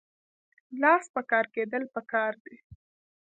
لاس په کار کیدل پکار دي